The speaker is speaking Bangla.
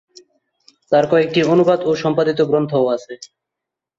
তার কয়েকটি অনুবাদ ও সম্পাদিত গ্রন্থও আছে।